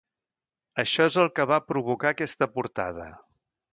Això és el que va provocar aquesta portada.